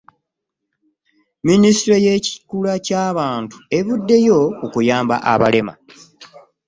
Minisitule y'Ekikula ky'abantu evuddeyo ku kuyamba abalema.